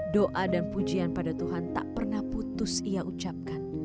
doa dan pujian pada tuhan tak pernah putus ia ucapkan